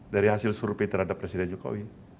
dari hasil survei terhadap presiden jokowi